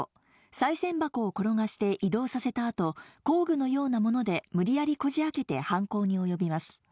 さい銭箱を転がして移動させたあと、工具のようなもので無理やりこじあけて犯行に及びます。